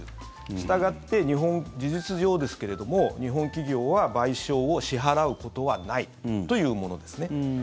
したがって、事実上ですけれども日本企業は賠償を支払うことはないというものですね。